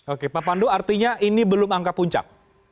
oke pak pandu artinya ini belum angka puncak